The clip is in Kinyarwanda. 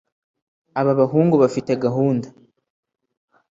Aba bahungu bafite gahunda